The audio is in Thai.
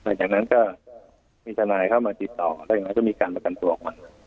หลังจากนั้นก็มีทนายเข้ามาติดต่อแล้วอย่างนั้นก็มีการประกันตัวออกมา